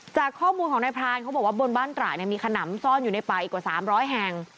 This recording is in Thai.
จากข้อมูลของนายพรานเขาบอกว่าบนบ้านตระเนี่ยมีขนำซ่อนอยู่ในป่าอีกกว่า๓๐๐แห่ง